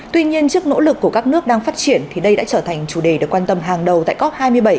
tuy nhiên trước nỗ lực của các nước đang phát triển thì đây đã trở thành chủ đề được quan tâm hàng đầu tại cop hai mươi bảy